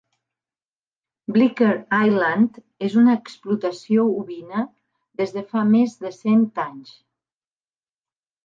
Bleaker Island és una explotació ovina des de fa més de cent anys.